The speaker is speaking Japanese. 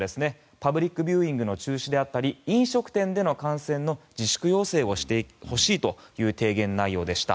パブリックビューイングの中止であったり飲食店での感染の自粛要請をしてほしいという提言内容でした。